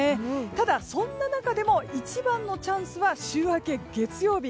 ただ、そんな中でも一番のチャンスは週明け月曜日。